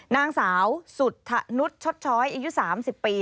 นางสาวสุธะนุชช็อตช้อยอายุ๓๐ปี